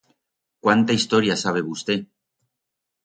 Cuánta historia sabe vusté.